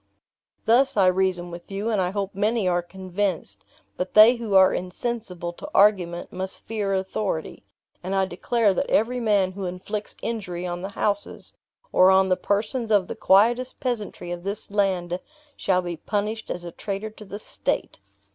"Thus I reason with you, and I hope many are convinced; but they who are insensible to argument must fear authority, and I declare that every man who inflicts injury on the houses, or on the persons of the quietest peasantry of this land, shall be punished as a traitor to the state."